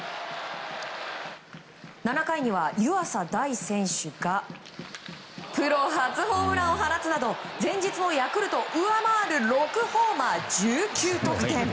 ７回には、湯浅大選手がプロ初ホームランを放つなど前日のヤクルトを上回る６ホーマー１９得点。